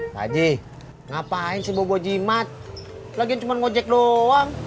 pak jih ngapain si bawa bawa jimat lagian cuma ngajek doang